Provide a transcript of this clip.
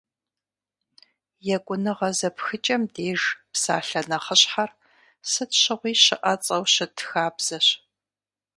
Екӏуныгъэ зэпхыкӏэм деж псалъэ нэхъыщхьэр сыт щыгъуи щыӏэцӏэу щыт хабзэщ.